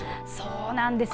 そうなんですよ。